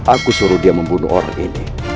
aku suruh dia membunuh orang ini